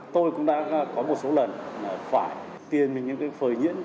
tôi cũng đã có một số lần phải tiền mình những phơi nhiễn